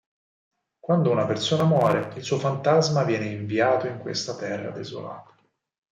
Quando una persona muore, il suo fantasma viene inviato in questa terra desolata.